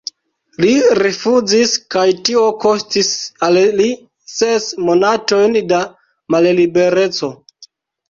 Li rifuzis, kaj tio kostis al li ses monatojn da mallibereco.